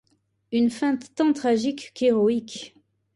Une fin tant tragique qu'héroïque.